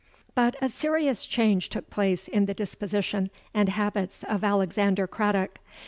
"But a serious change took place in the disposition and habits of Alexander Craddock.